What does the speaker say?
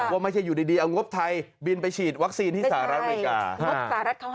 ว่าไม่ใช่อยู่ดีเอางบไทยบินไปฉีดวัคซีนที่สหรัฐอเมริกา